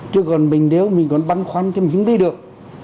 chứ còn mình nếu mình còn băn khoăn thì mình đi được